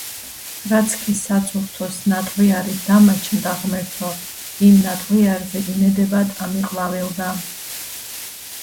რაც კი საწურთოს ნატყვიარი დამაჩნდა ღმერთო, იმ ნატყვიარზე იმედებად ამიყვავილდა.